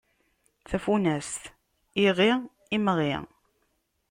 Tafunast: iɣi, imɣi.